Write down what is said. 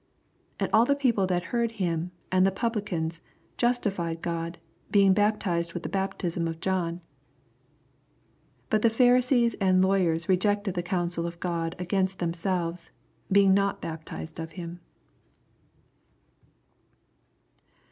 29 And all the people that heard him, and the Publicans, justified God. hemg baptized with the baptism of John. 80 But the Pharisees and Lawyers rejected the counsel of God against themselves, being not baptized of him.